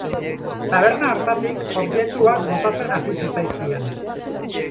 Taberna hartatik objektuak botatzen hasi zitzaizkien.